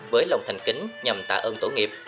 với lòng thành kính nhằm tạ ơn tổ nghiệp